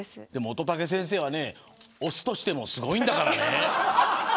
乙武先生は雄としてもすごいんだからね。